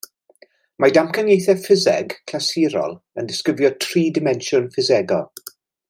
Mae damcaniaethau ffiseg clasurol yn disgrifio tri dimensiwn ffisegol.